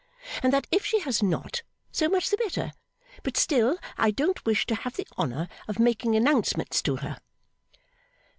And that if she has not, so much the better; but still I don't wish to have the honour of making announcements to her.